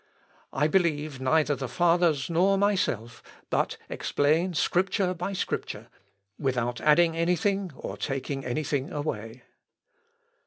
I believe neither the fathers nor myself, but explain Scripture by Scripture, without adding any thing or taking any thing away."